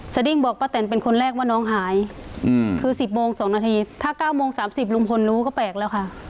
ดิ้งบอกป้าแตนเป็นคนแรกว่าน้องหายคือ๑๐โมง๒นาทีถ้า๙โมง๓๐ลุงพลรู้ก็แปลกแล้วค่ะ